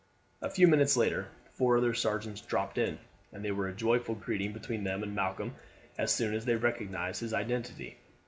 A few minutes later four other sergeants dropped in, and there was a joyful greeting between them and Malcolm as soon as they recognized his identity.